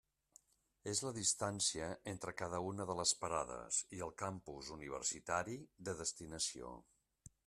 És la distància entre cada una de les parades i el campus universitari de destinació.